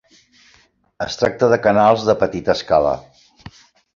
Es tracta de canals de "petita escala".